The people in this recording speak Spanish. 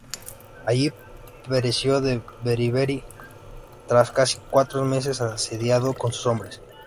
Allí pereció de beriberi tras casi cuatro meses asediado con sus hombres.